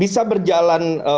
bisa berjalan bisa itu dulu ya